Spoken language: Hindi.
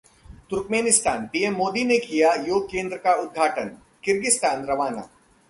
तुर्कमेनिस्तान: पीएम मोदी ने किया योग केंद्र का उद्घाटन, किर्गिस्तान रवाना